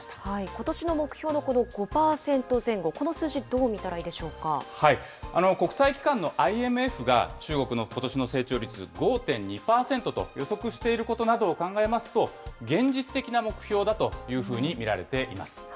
ことしの目標のこの５％前後、この数字、どう見たらいいでしょ国際機関のＩＭＦが、中国のことしの成長率、５．２％と予測していることなどを考えますと、現実的な目標だというふうに見られています。